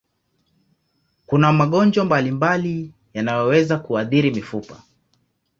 Kuna magonjwa mbalimbali yanayoweza kuathiri mifupa.